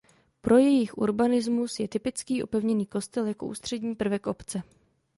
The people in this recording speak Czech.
Pro jejich urbanismus je typický opevněný kostel jako ústřední prvek obce.